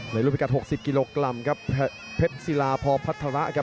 ในรูปริกัดหกสิบกิโลกรัมครับเพชรศิลาพอพัฒระครับ